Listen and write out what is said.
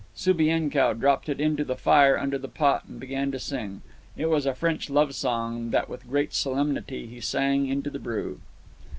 Subienkow dropped it into the fire under the pot and began to sing. It was a French love song that with great solemnity he sang into the brew.